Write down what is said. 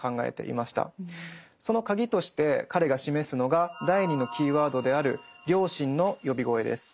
そのカギとして彼が示すのが第２のキーワードである「良心の呼び声」です。